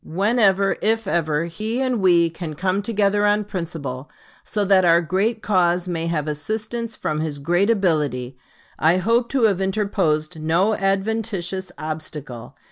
Whenever, if ever, he and we can come together on principle so that our great cause may have assistance from his great ability, I hope to have interposed no adventitious obstacle.